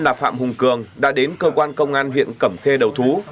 là phạm hùng cường đã đến cơ quan công an huyện cẩm khê đầu thú